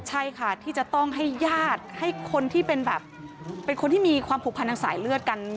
ใช่ค่ะที่จะต้องให้ญาติให้คนที่เป็นแบบเป็นคนที่มีความผูกพันทางสายเลือดกัน